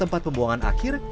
tempat pembuangan akhir